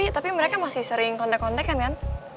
tapi mereka masih sering kontak kontakan kan